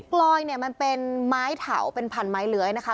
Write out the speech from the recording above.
กลอยเนี่ยมันเป็นไม้เถาเป็นพันไม้เลื้อยนะคะ